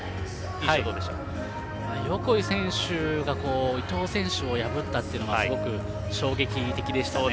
横井選手が伊藤選手を破ったというのがすごく衝撃的でしたね。